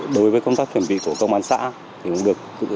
đối với công tác chuẩn bị của công an xã thì cũng được quan tâm của công an huyện